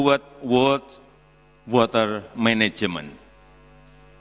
ke pengurusan air dunia